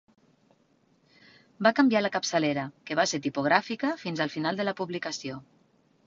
Va canviar la capçalera, que va ser tipogràfica fins al final de la publicació.